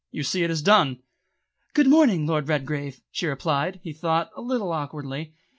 You see it is done." "Good morning, Lord Redgrave!" she replied, he thought, a little awkwardly.